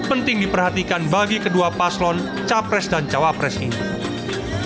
jadi penting diperhatikan bagi kedua paslon capres dan jawa pres ini